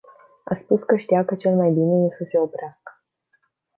A spus că știa că cel mai bine e să se oprească.